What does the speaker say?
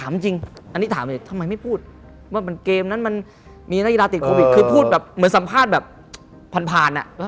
มีในเวลาติดโควิดคือพูดแบบเหมือนสัมภาษณ์แบบผ่านอะ